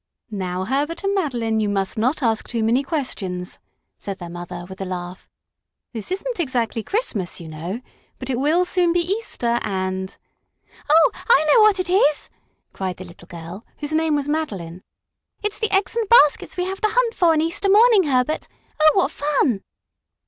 "Now, Herbert and Madeline, you must not ask too many questions," said their mother, with a laugh. "This isn't exactly Christmas, you know, but it will soon be Easter, and " "Oh, I know what it is!" cried the little girl, whose name was Madeline. "It's the eggs and baskets we have to hunt for on Easter morning, Herbert! Oh, what fun!"